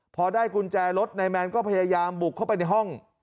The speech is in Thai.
พอได้กุญแจรถนายแมนก็พยายามบุกเข้าไปในห้อง